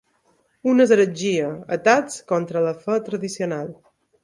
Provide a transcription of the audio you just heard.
Un és heretgia, atacs contra la Fe tradicional.